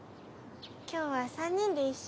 今日は三人で一緒に。